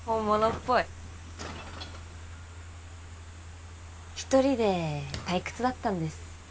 ・一人で退屈だったんです